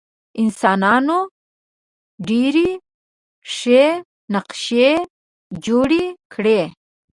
انسانانو ډېرې ښې نقشې جوړې کړې.